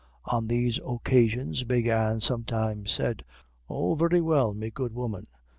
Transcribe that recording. On these occasions Big Anne sometimes said: "Oh, very well, me good woman.